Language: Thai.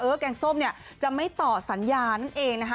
แกงส้มเนี่ยจะไม่ต่อสัญญานั่นเองนะคะ